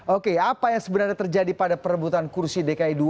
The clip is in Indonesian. oke apa yang sebenarnya terjadi pada perebutan kursi dki dua